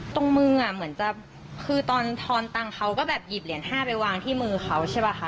ตรงมือเหมือนจะคือตอนทอนตังค์เขาก็แบบหยิบเหรียญ๕ไปวางที่มือเขาใช่ป่ะคะ